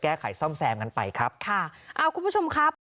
แก้ไขซ่อมแซมกันไปครับค่ะอ่าคุณผู้ชมครับ